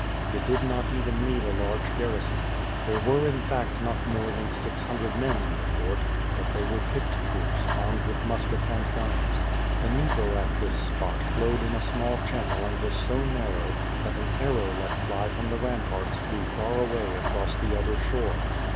It did not even need a large garrison. There were in fact not more than six hundred men in the fort, but they were picked troops, armed with muskets and guns. The Dnieper at this spot flowed in a small channel and was so narrow, that an arrow let fly from the ramparts flev. far away across the other shore.